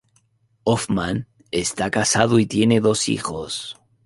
Hoffmann está casado y tiene dos hijos.